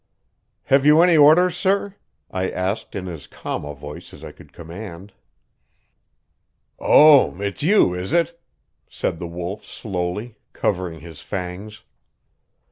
"Have you any orders, sir?" I asked in as calm a voice as I could command. "Oh, it's you, is it?" said the Wolf slowly, covering his fangs.